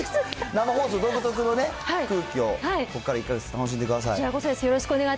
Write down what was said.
生放送独特のね、空気をここから１か月、楽しんでください。